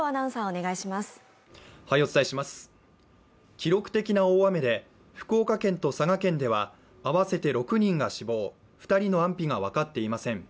記録的な大雨で福岡県と佐賀県では合わせて６人が死亡、２人の安否が分かっていません。